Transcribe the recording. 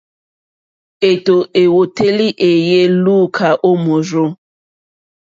Êtó èwòtélì wéèyé lùúkà ó mòrzô.